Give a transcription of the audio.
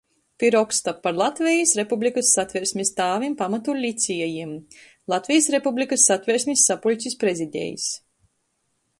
Pi roksta "Par Latvejis Republikys Satversmis tāvim, pamatu liciejim". Latvejis Republikys Satversmis sapuļcis prezidejs.